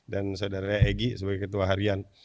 dan saudara egy sebagai ketua harian